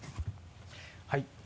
はい